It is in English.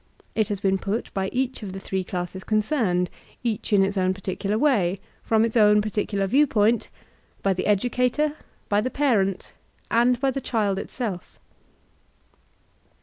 It has been put, by each of the three classes concerned, each in its own peculiar way, from its own peculiar viewpoint, — by the Educator^ by the Parent, and by the Child itself.